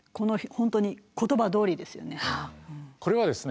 本当に言葉どおりですよね。